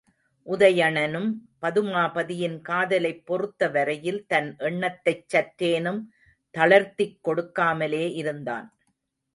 உதயணனும் பதுமாபதியின் காதலைப் பொறுத்தவரையில் தன் எண்ணத்தைச் சற்றேனும் தளர்த்திக் கொடுக்காமலே இருந்தான்.